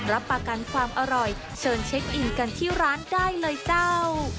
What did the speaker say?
รับประกันความอร่อยเชิญเช็คอินกันที่ร้านได้เลยเจ้า